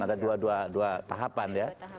ada dua tahapan ya